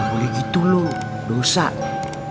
kamu bisa berhenti kamu bisa berhenti kamu bisa berhenti